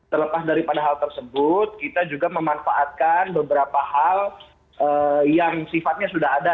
terlepas daripada hal tersebut kita juga memanfaatkan beberapa hal yang sifatnya sudah ada